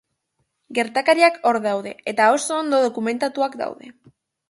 Gertakariak hor daude, eta oso ondo dokumentatuta daude.